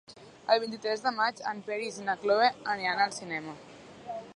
El vint-i-tres de maig en Peris i na Cloè aniran al cinema.